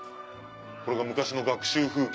これが昔の学習風景。